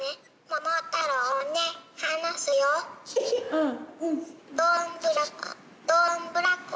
うん。